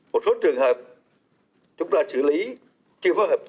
một số trường hợp chúng ta chủ lý chưa phối hợp tốt